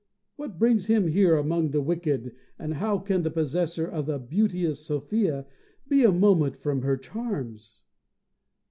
What brings him here among the wicked, and how can the possessor of the beauteous Sophia be a moment from her charms?"